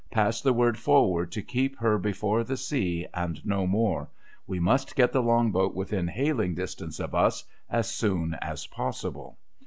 Pass the word forward to keep her before the sea, and no more. We must get the Long boat within hailing distance of us, as soon as possible.'